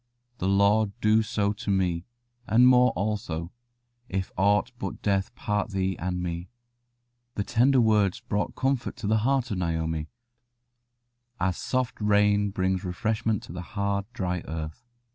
The Lord do so to me, and more also, if aught but death part thee and me." The tender words brought comfort to the heart of Naomi, as soft rain brings refreshment to the hard, dry earth.